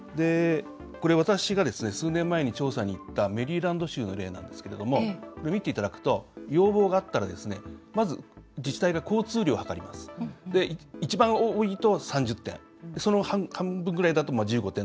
これ、私が数年前に調査に行ったメリーランド州の例なんですが要望があったらまず、自治体が交通量を計ります一番多いと３０点半分だと１５点。